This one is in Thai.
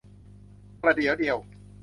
ประเดี๋ยวเดียว